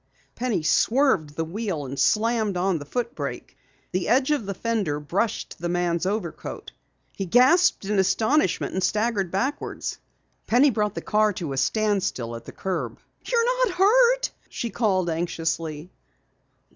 Penny swerved the wheel and slammed on the foot brake. The edge of the fender brushed the man's overcoat. He gasped in astonishment and staggered backwards. Penny brought the car to a standstill at the curb. "You're not hurt?" she called anxiously.